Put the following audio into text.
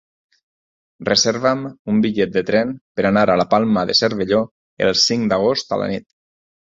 Reserva'm un bitllet de tren per anar a la Palma de Cervelló el cinc d'agost a la nit.